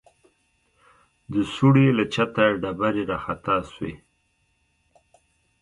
د سوړې له چته ډبرې راخطا سوې.